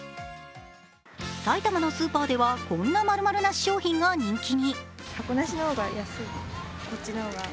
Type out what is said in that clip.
埼玉のスーパーではこんな○○なし商品が人気に。